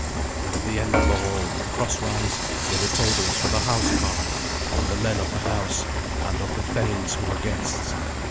And at the end of the hall, crosswise, were the tables for the housecarls, and the men of the house, and of the thanes who were guests.